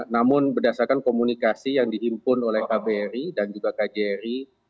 namun berdasarkan komunikasi yang dihimpun oleh kbri dan juga kjri